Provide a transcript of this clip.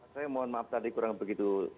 saya mohon maaf tadi kurang begitu